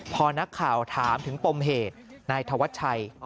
พอนักข่าวถามถึงปมเหตุนายธวัชชัย